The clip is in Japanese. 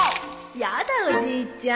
やだおじいちゃん。